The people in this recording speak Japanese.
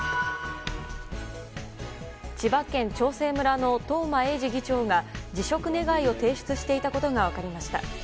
千葉県長生村の東間永次議長が辞職願を提出していたことが分かりました。